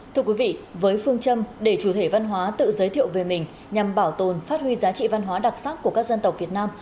thưa quý vị với phương châm để chủ thể văn hóa tự giới thiệu về mình nhằm bảo tồn phát huy giá trị văn hóa đặc sắc của các dân tộc việt nam